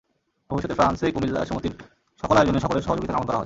ভবিষ্যতে ফ্রান্সে কুমিল্লা সমিতির সকল আয়োজনে সকলের সহযোগিতা কামনা করা হয়।